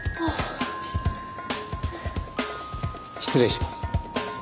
失礼します。